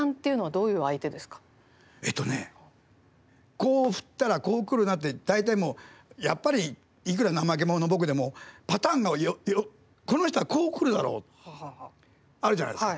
こう振ったらこう来るなって大体もう、やっぱりいくら怠け者の僕でもパターンがこの人はこう来るだろうあるじゃないですか。